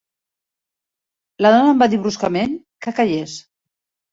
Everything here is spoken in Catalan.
La dona em va dir bruscament que callés.